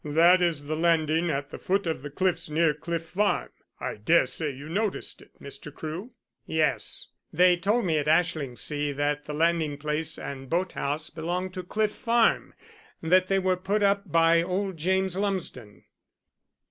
That is the landing at the foot of the cliffs near Cliff Farm I daresay you noticed it, Mr. Crewe?" "Yes. They told me at Ashlingsea that the landing place and boat house belong to Cliff Farm that they were put up by old James Lumsden."